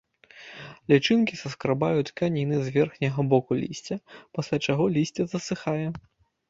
Лічынкі саскрабаюць тканіны з верхняга боку лісця, пасля чаго лісце засыхае.